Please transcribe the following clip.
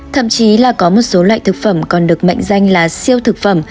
thậm chí là có một số loại thực phẩm còn được mệnh danh là siêu thực phẩm